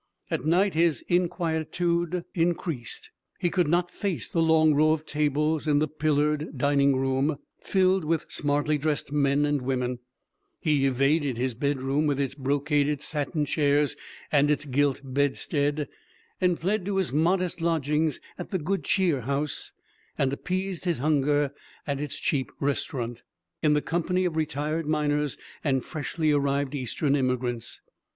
At night his inquietude increased; he could not face the long row of tables in the pillared dining room, filled with smartly dressed men and women; he evaded his bedroom, with its brocaded satin chairs and its gilt bedstead, and fled to his modest lodgings at the Good Cheer House, and appeased his hunger at its cheap restaurant, in the company of retired miners and freshly arrived Eastern emigrants.